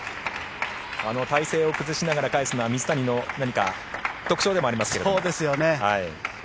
体勢を崩しながら返すのは水谷の何か特徴でもありますね。